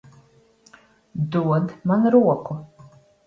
Dod man roku.